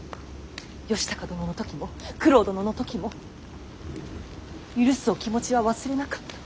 義高殿の時も九郎殿の時も許すお気持ちは忘れなかった。